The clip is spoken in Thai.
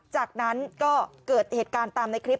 จากนั้นก็เกิดเหตุการณ์ตามในคลิป